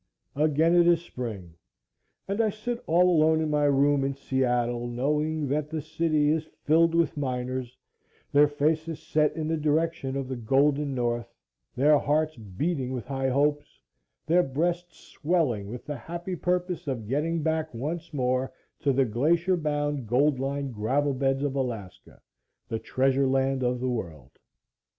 AGAIN it is spring, and I sit all alone in my room in Seattle, knowing that the city is filled with miners, their faces set in the direction of the Golden North, their hearts beating with high hopes, their breasts swelling with the happy purpose of getting back once more to the glacier bound, gold lined gravel beds of Alaska the treasure land of the world.